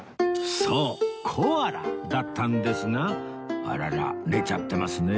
そうコアラだったんですがあらら寝ちゃってますね